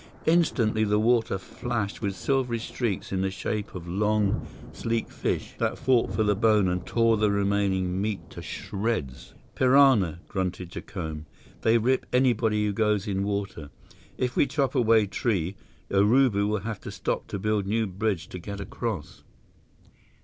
Instantly, the water flashed with silvery streaks in the shape of long, sleek fish that fought for the bone and tore the remaining meat to shreds. "Piranha," grunted Jacome. "They rip anybody who goes in water. If we chop away tree, Urubu will have to stop to build new bridge to get across."